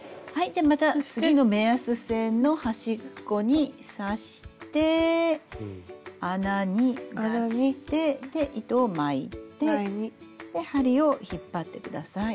じゃあまた次の目安線の端っこに刺して穴に出してで糸を巻いて針を引っ張ってください。